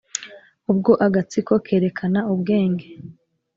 ubwo agatsiko kerekana ubwenge